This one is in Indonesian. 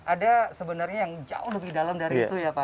ada sebenarnya yang jauh lebih dalam dari itu ya pak